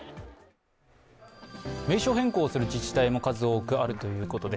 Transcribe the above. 名称変更する自治体も数多くあるということです。